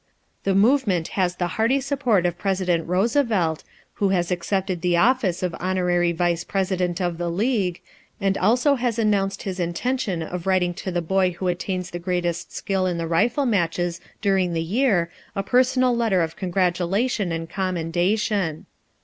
The movement has the hearty support of President Roosevelt, who has accepted the office of honorary vice president of the league, and also has announced his intention of writing to the boy who attains the greatest skill in the rifle matches during the year a personal letter of congratulation and commendation.